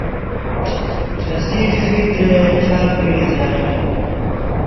تسی ڇِھیترے چار بِیڈیۡ زِیات بھینیۡ۔